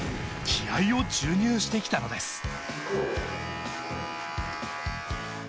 気合いを注入してきたのです。